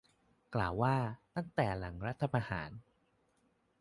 กล่าวว่า ตั้งแต่หลังรัฐประหาร